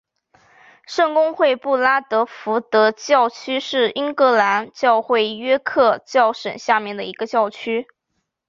圣公会布拉德福德教区是英格兰教会约克教省下面的一个教区。